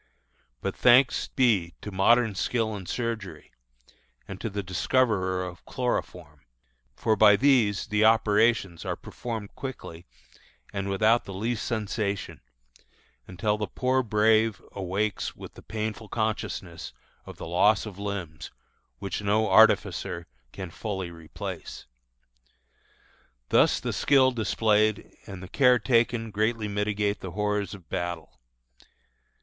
But thanks be to modern skill in surgery, and to the discoverer of chloroform; for by these the operations are performed quickly and without the least sensation, until the poor brave awakes with the painful consciousness of the loss of limbs, which no artificer can fully replace. Thus the skill displayed and the care taken greatly mitigate the horrors of battle.